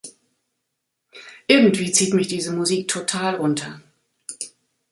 Irgendwie zieht mich diese Musik total runter.